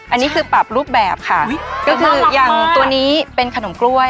อันนี้คือปรับรูปแบบค่ะก็คืออย่างตัวนี้เป็นขนมกล้วย